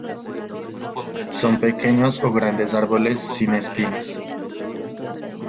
Son pequeños o grandes árboles sin espinas.